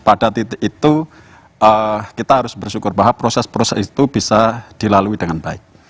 pada titik itu kita harus bersyukur bahwa proses proses itu bisa dilalui dengan baik